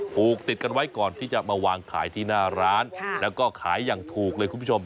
ผูกติดกันไว้ก่อนที่จะมาวางขายที่หน้าร้านแล้วก็ขายอย่างถูกเลยคุณผู้ชม